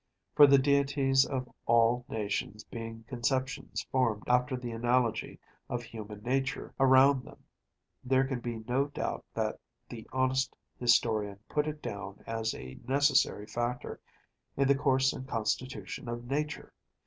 For the Deities of all nations being conceptions formed after the analogy of human nature around them, there can be no doubt that the honest historian put it down as a necessary factor in the course and constitution of nature.